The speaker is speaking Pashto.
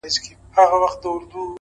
واه واه خُم د شرابو ته راپرېوتم بیا